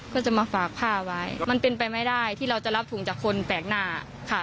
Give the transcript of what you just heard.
ก็จะมาฝากผ้าไว้มันเป็นไปไม่ได้ที่เราจะรับถุงจากคนแปลกหน้าค่ะ